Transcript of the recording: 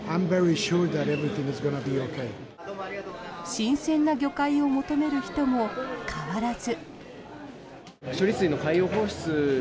新鮮な魚介を求める人も変わらず。